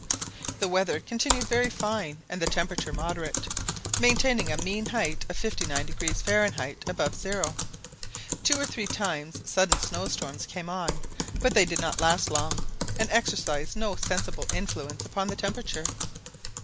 The weather continued very fine and the temperature moderate, maintaining a mean height of 59° Fahrenheit above zero. Two or three times sudden snowstorms came on; but they did not last long, and exercised no sensible influence upon the temperature.